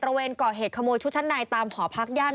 เวนก่อเหตุขโมยชุดชั้นในตามหอพักย่าน